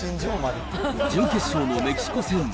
準決勝のメキシコ戦。